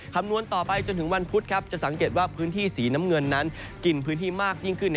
คำนวณต่อไปจนถึงวันพุธจะสังเกตว่าพื้นที่สีน้ำเงินนั้นกินพื้นที่มากยิ่งขึ้น